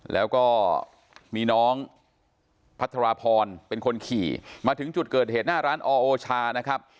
แล้วก็มีน้องพัทรพรเป็นคนขี่มาถึงจุดเกิดเหตุหน้าร้านออโอชานะครับ